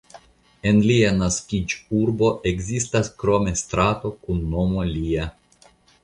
En lia naskiĝurbo ekzistas krome strato kun nomo lia.